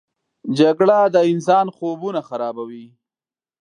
جګړه د انسان خوبونه خرابوي